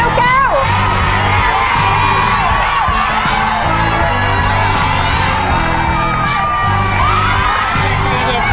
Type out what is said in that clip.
เร็วแก้ว